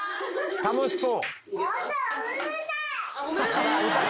楽しそう。